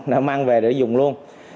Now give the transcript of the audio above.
để mang về để dùng luôn